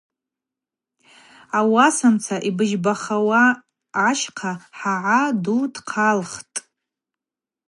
Ауасамца йбыжьбахауа ащхъа хӏагӏа ду дхъалтӏ.